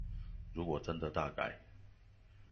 如果真的大改